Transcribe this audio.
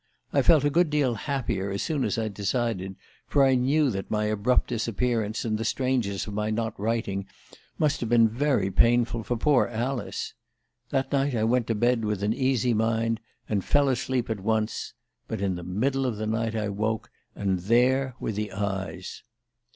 I felt a good deal happier as soon as I'd decided, for I knew that my abrupt disappearance, and the strangeness of my not writing, must have been very painful for poor Alice. That night I went to bed with an easy mind, and fell asleep at once; but in the middle of the night I woke, and there were the eyes